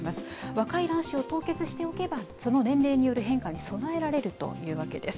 若い卵子を凍結しておけば、その年齢による変化に備えられるというわけです。